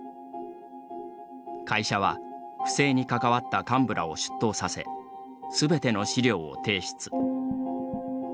会社は、不正に関わった幹部らを出頭させ、すべての資料を提出。